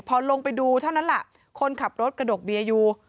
พอลงไปดูเท่านั้นแหละคนขับรถกระดกเบียร์อยู่